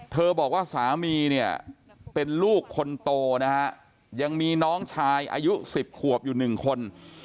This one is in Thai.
บอกว่าสามีเนี่ยเป็นลูกคนโตนะฮะยังมีน้องชายอายุ๑๐ขวบอยู่๑คน